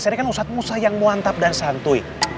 sebenernya kan ustadz musa yang muantap dan santuy